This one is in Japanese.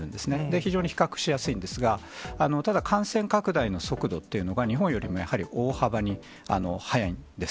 非常に比較しやすいんですが、ただ、感染拡大の速度っていうのが、日本よりもやはり大幅に速いんです。